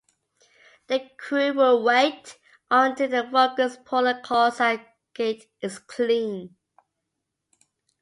The crew will wait until the focus puller calls out gate is clean.